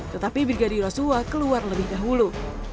tetapi brigadir yoso hota keluar lebih dahulu